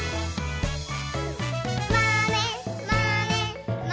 「まねまねまねまね」